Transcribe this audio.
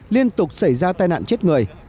liên tục xảy ra tai nạn chết người